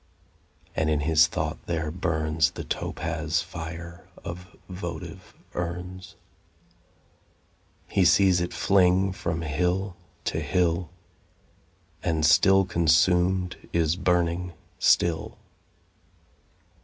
And in his thought there burns The topaz fire of votive urns. He sees it fling from hill to hill, And still consumed, is burning still.